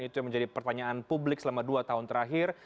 itu yang menjadi pertanyaan publik selama dua tahun terakhir